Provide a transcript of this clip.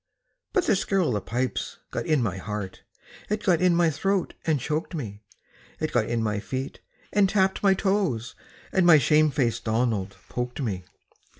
But the skirl o' the pipes got in my heart, It got in my throat and choked me, It got in my feet, and tapped my toes, And my shame faced Donald poked me.